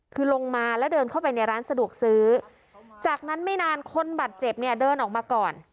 คือลงมาแล้วเดินเข้าไปในร้านสะดวกซื้อจากนั้นไม่นานคนบาดเจ็บเนี่ยเดินออกมาก่อน